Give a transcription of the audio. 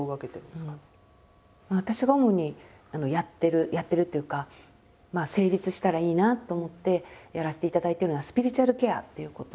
私が主にやってるやってるっていうかまあ成立したらいいなと思ってやらせていただいてるのは「スピリチュアルケア」っていうことなんですね。